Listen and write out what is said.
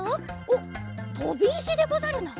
おっとびいしでござるな。